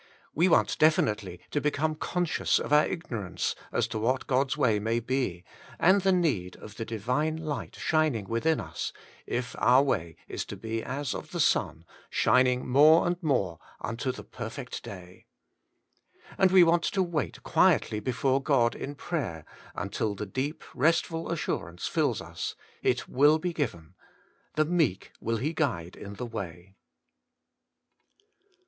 We want definitely to become conscious of our ignorance as to what God's way may be, and the need of the Divine light shining within us, if our way is to be as of the sun, shining more and more unto the perfect day. And we want to wait quietly before God in prayer, until the deep, restful assurance fills us : It will be given —* the meek will He guide in the way.'